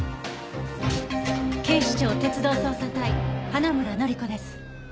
警視庁鉄道捜査隊花村乃里子です。